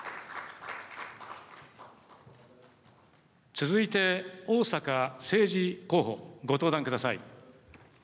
続いて逢坂誠二候補、ご登壇ください。